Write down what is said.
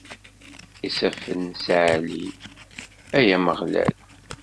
Isaffen ssaɛlin, ay Ameɣlal.